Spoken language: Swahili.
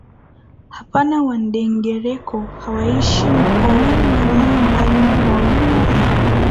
Hapana Wandengereko hawaishi Mkoa wa Ruvuma bali mkoa wa Pwani